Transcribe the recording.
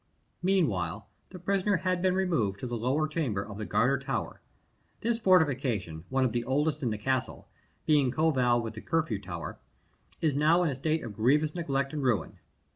Meanwhile, the prisoner had been removed to the lower chamber of the Garter Tower. This fortification, one of the oldest in the castle, being coeval with the Curfew Tower, is now in a state of grievous neglect and ruin.